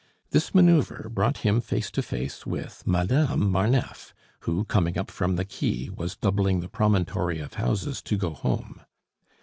This manoeuvre brought him face to face with Madame Marneffe, who, coming up from the quay, was doubling the promontory of houses to go home.